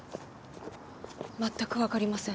全くわかりません。